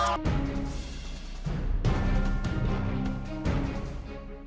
ก็ต้องโดนครีม